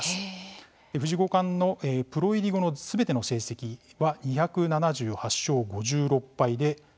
藤井五冠のプロ入り後のすべての成績は２７８勝５６敗で勝率は８割３分２厘。